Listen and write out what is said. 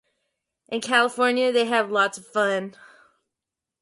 The parade was a "spin off" from the Pasadena Parade.